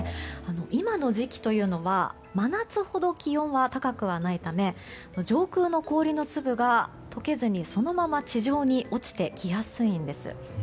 今の時期というのは真夏ほど気温が高くはないため上空の氷の粒が解けずにそのまま地上に落ちてきやすいんです。